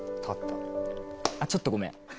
ちょっとごめん！